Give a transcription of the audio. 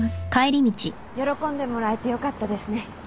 喜んでもらえてよかったですね。